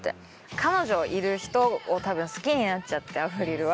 彼女いる人を多分好きになっちゃってアヴリルは。